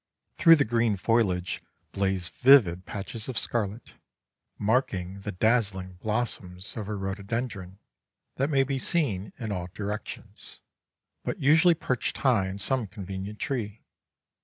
Through the green foliage blaze vivid patches of scarlet, marking the dazzling blossoms of a rhododendron that may be seen in all directions, but usually perched high on some convenient tree.